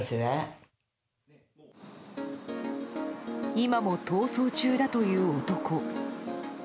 今も逃走中だという男。